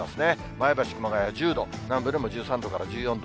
前橋、熊谷１０度、南部でも１３度から１４度。